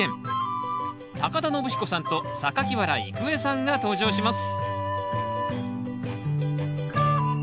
田延彦さんと原郁恵さんが登場します